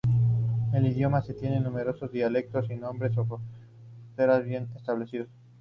El idioma Sa tiene numerosos dialectos sin nombres o fronteras bien establecidos.